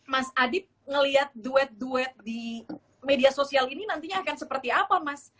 mas adib melihat duet duet di media sosial ini nantinya akan seperti apa mas